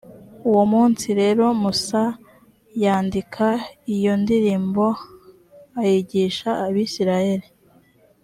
uwo munsi rero musa yandika iyo ndirimbo, ayigisha abayisraheli.